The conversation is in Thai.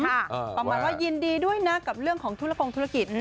ประมาณว่ายินดีด้วยนะกับเรื่องของธุรพงธุรกิจ